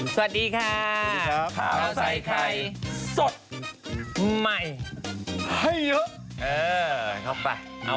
เสียงเพลง